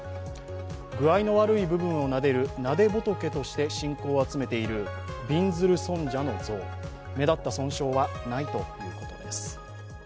具合の悪い部分をなでるなで仏として信仰を集めるびんずる尊者の像、目立った損傷はないということです。